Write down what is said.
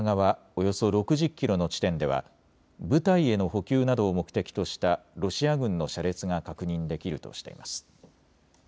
およそ６０キロの地点では部隊への補給などを目的としたロシア軍の車列が確認できるとしています。